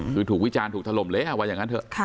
คือถูกวิจารณ์ถูกถล่มเลยว่าอย่างนั้นเถอะ